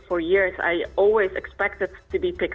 saya selalu mengharapkan